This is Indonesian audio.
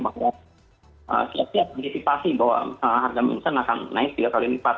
memangnya setiap setiap dikipasi bahwa harga minsternya akan naik tiga kali lipat